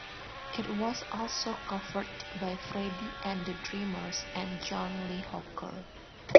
It was also covered by Freddie and the Dreamers and John Lee Hooker.